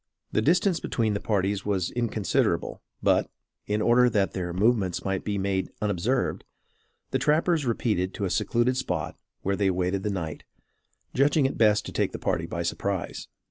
The distance between the parties was inconsiderable; but, in order that their movements might be made unobserved, the trappers retreated to a secluded spot where they awaited the night, judging it best to take the party by surprise.